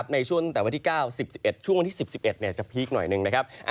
ในช่วงตั้งแต่วันที่๙๑๑ช่วงวันที่๑๑จะพีคหน่อยหนึ่งนะครับ